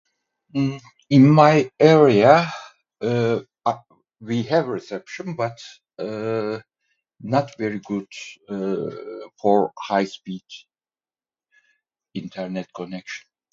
In my area, err, we have reception but, err, not very good, err, for high speed... internet connection.